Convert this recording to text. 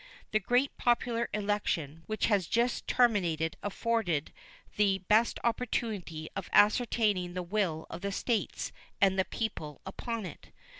The great popular election which has just terminated afforded the best opportunity of ascertaining the will of the States and the people upon it.